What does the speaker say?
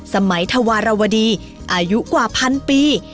สมัยธวรวดีอายุกว่าพันปี